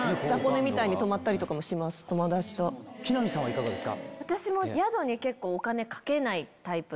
木南さんはいかがですか？